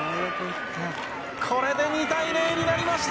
これで、２対０になりました！